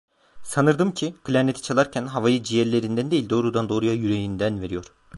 Sanırdın ki, klarneti çalarken, havayı ciğerlerinden değil, doğrudan doğruya yüreğinden veriyor.